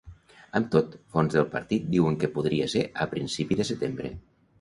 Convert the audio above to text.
Amb tot, fonts del partit diuen que podria ser a principi de setembre.